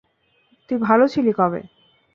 তুই ভালো ছিলি কবে?